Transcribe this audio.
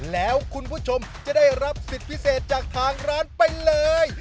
แล้วคุณผู้ชมจะได้รับสิทธิ์พิเศษจากทางร้านไปเลย